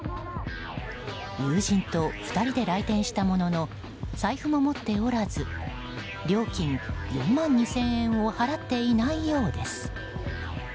友人と２人で来店したものの財布も持っておらず料金４万２０００円を払っていないようです。